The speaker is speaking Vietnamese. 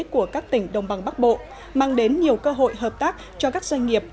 của các tỉnh đồng bằng bắc bộ mang đến nhiều cơ hội hợp tác cho các doanh nghiệp